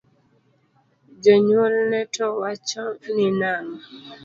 Jonyuolne to wachoni nang’o?